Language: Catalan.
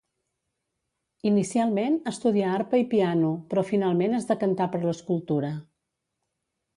Inicialment estudià arpa i piano, però finalment es decantà per l'escultura.